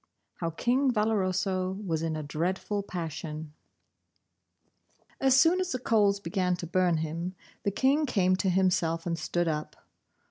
X. HOW KING VALOROSO WAS IN A DREADFUL PASSION As soon as the coals began to burn him, the King came to himself and stood up.